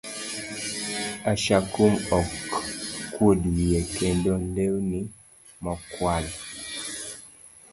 Ashakum ok kuod wiye, kendo lewni mokwal